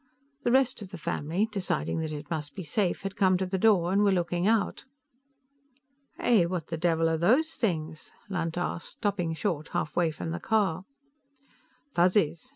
The rest of the family, deciding that it must be safe, had come to the door and were looking out. "Hey! What the devil are those things?" Lunt asked, stopping short halfway from the car. "Fuzzies.